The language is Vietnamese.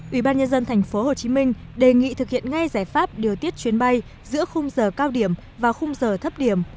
ủy ban nhân dân tp hcm đề nghị thực hiện ngay giải pháp điều tiết chuyến bay giữa khung giờ cao điểm và khung giờ thấp điểm